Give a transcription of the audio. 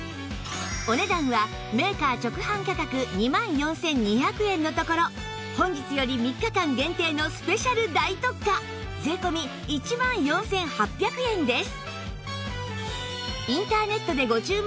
お値段はメーカー直販価格２万４２００円のところ本日より３日間限定のスペシャル大特価税込１万４８００円です